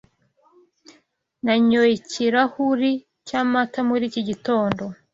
Nanyoye ikirahuri cyamata muri iki gitondo.